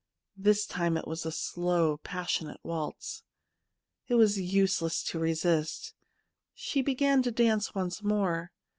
This time it was a slow, passionate waltz. It was useless to resist ; she began to dance once more.